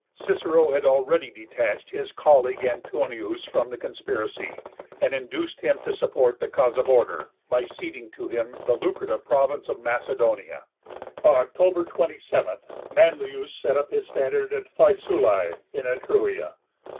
Cicero had already detached his colleague Antonius from the conspiracy, and induced him to support the cause of order, by ceding to him the lucrative province of Macedonia. On October 27 Manlius set up his standard at Faesulae in Etruria.